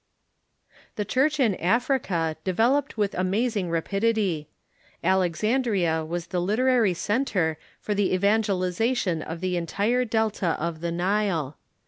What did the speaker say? The Church in Africa develoj^ed with amazing rapidity. Alexandria Avas the literary centre for the evangelization of the entire delta of the Nile.